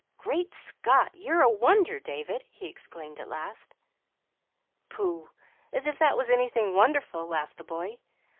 "Great Scott! you're a wonder, David," he exclaimed, at last. "Pooh! as if that was anything wonderful," laughed the boy.